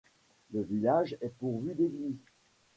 Le village est dépourvu d'église.